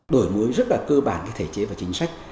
đổi mối rất là cơ bản với thể chế và chính sách